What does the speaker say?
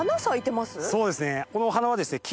そうですねこの。